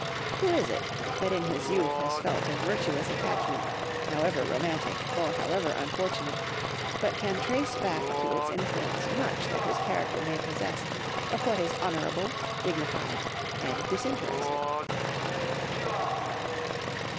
Who is it, that in his youth has felt a virtuous attachment, however romantic, or however unfortunate, but can trace back to its influence much that his character may possess of what is honourable, dignified, and disinterested?"